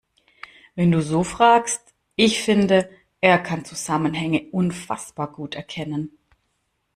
Wenn du so fragst, ich finde, er kann Zusammenhänge unfassbar gut erkennen.